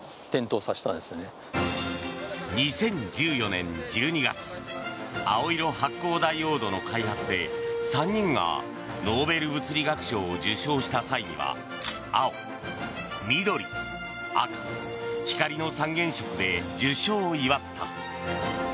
２０１４年１２月青色発光ダイオードの開発で３人がノーベル物理学賞を受賞した際には青・緑・赤、光の三原色で受賞を祝った。